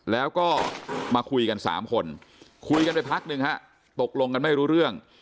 แล้วก็มาคุยกันสามคนคุยกันไปพักหนึ่งฮะตกลงกันไม่รู้เรื่อง